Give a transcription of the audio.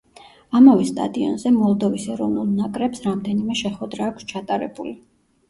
ამავე სტადიონზე მოლდოვის ეროვნულ ნაკრებს რამდენიმე შეხვედრა აქვს ჩატარებული.